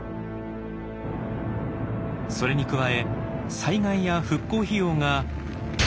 それに加え災害や復興費用が。